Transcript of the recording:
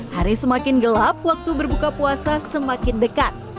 hari semakin gelap waktu berbuka puasa semakin dekat